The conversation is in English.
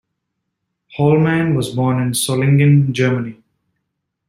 Hollmann was born in Solingen, Germany.